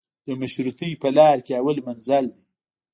د مشروطې په لار کې اول منزل دی.